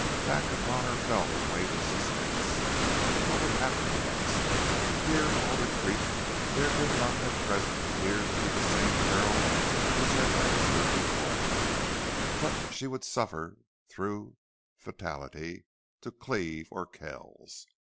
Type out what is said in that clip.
Back upon her fell that weight of suspense what would happen next? Here in Alder Creek there did not at present appear to be the same peril which had menaced her before, but she would suffer through fatality to Cleve or Kells.